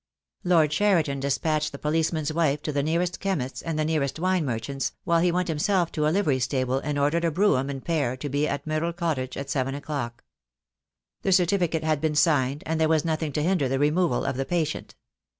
Lord Cheriton despatched the policeman's wife to the nearest chemist's and the nearest wine merchant's, while he went himself to a livery stable and ordered a brougham and pair to be at Myrtle Cottage at seven o'clock. The certificate had been signed, and there was nothing to hinder the removal of the patient.